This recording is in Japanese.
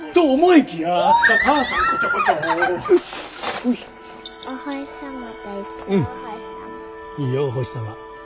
いいよお星様。